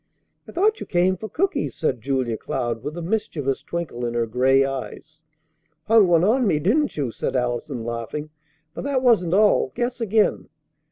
"I thought you came for cookies," said Julia Cloud, with a mischievous twinkle in her gray eyes. "Hung one on me, didn't you?" said Allison, laughing. "But that wasn't all. Guess again."